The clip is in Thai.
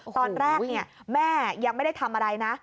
ตอนแรกแม่ยังไม่ได้ทำอะไรนะ